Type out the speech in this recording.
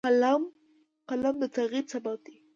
قلم د تغیر سبب دی